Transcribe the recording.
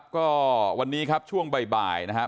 ก็วันนี้ครับช่วงบ่ายนะครับ